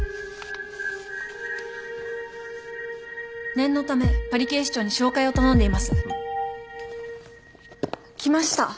念のためパリ警視庁に照会を頼んでいます。来ました。